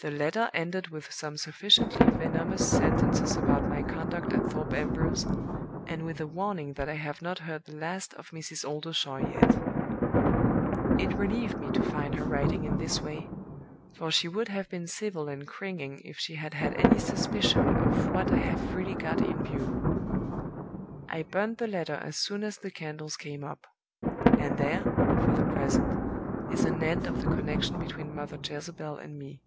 The letter ended with some sufficiently venomous sentences about my conduct at Thorpe Ambrose, and with a warning that I have not heard the last of Mrs. Oldershaw yet. It relieved me to find her writing in this way for she would have been civil and cringing if she had had any suspicion of what I have really got in view. I burned the letter as soon as the candles came up. And there, for the present, is an end of the connection between Mother Jezebel and me.